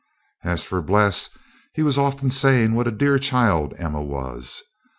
As for Bles, he was often saying what a dear child Emma was.